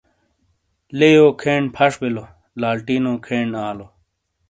لیئو کھین پھش بو لالٹینو کھین آلو۔